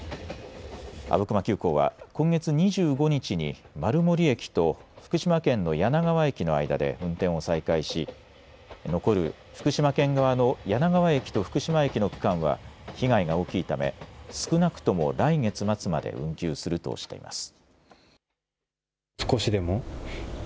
阿武隈急行は今月２５日に丸森駅と福島県の梁川駅の間で運転を再開し残る福島県側の梁川駅と福島駅の区間は被害が大きいため少なくとも来月末まで運休するとしています。